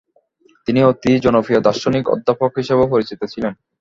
তিনি অতি জনপ্রিয় দার্শনিক অধ্যাপক হিসাবেও পরিচিত ছিলেন।